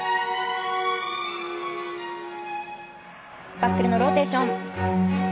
バックでのローテーション。